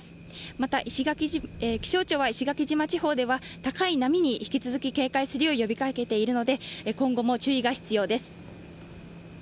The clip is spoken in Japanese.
また気象庁は石垣島地方では高い波に引き続き警戒することを呼びかけていますので今後も注意が必要です。